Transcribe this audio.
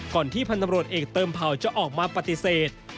ที่พันธบรวจเอกเติมเผ่าจะออกมาปฏิเสธ